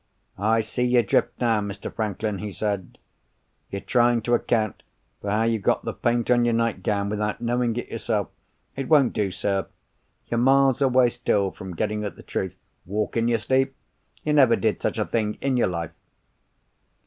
"I see your drift now, Mr. Franklin!" he said "You're trying to account for how you got the paint on your nightgown, without knowing it yourself. It won't do, sir. You're miles away still from getting at the truth. Walk in your sleep? You never did such a thing in your life!"